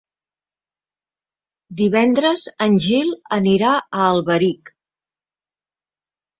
Divendres en Gil anirà a Alberic.